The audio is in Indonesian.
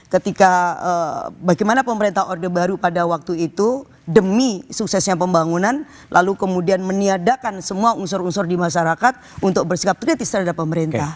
ketika bagaimana pemerintah orde baru pada waktu itu demi suksesnya pembangunan lalu kemudian meniadakan semua unsur unsur di masyarakat untuk bersikap kritis terhadap pemerintah